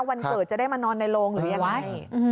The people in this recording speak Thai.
วันเกิดจะได้มานอนในโรงหรือยังไง